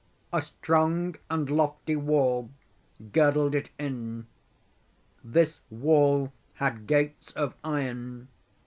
A strong and lofty wall girdled it in. This wall had gates of iron.